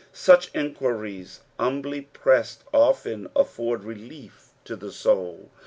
Buch enquiries humbly pressed oftea afford relief to the soul.